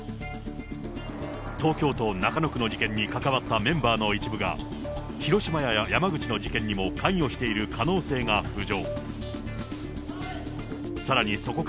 東京都中野区の事件に関わったメンバーの一部が、広島や山口の事件にも関与している可能性が浮上。